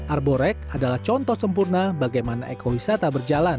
arborec adalah contoh sempurna bagaimana ekowisata berjalan